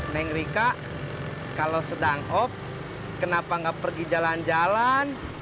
neng rika kalau sedang op kenapa nggak pergi jalan jalan